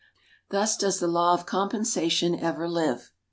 Thus does the law of compensation ever live.